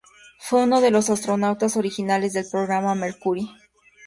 Fue uno de los astronautas originales del Programa Mercury.